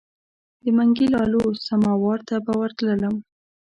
د منګي لالو سماوار ته به ورتللم.